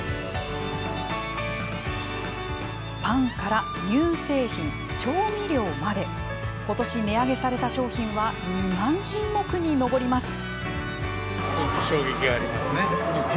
パンから乳製品、調味料まで今年、値上げされた商品は２万品目に上ります。